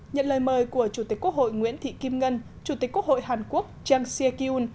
nhận lời mời của chủ tịch quốc hội nguyễn thị kim ngân chủ tịch quốc hội hàn quốc jang si aek yoon